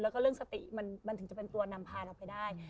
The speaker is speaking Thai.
แล้วก็เรื่องสติมันถึงจะเป็นตัวนำพาเราไปได้